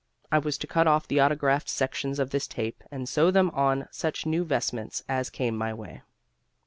I was to cut off the autographed sections of this tape and sew them on such new vestments as came my way.